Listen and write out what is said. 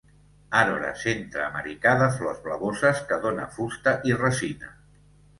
Arbre centreamericà de flors blavoses que dóna fusta i resina.